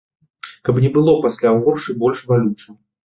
Каб не было пасля горш і больш балюча.